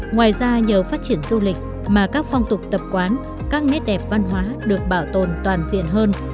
ngoài ra nhờ phát triển du lịch mà các phong tục tập quán các nét đẹp văn hóa được bảo tồn toàn diện hơn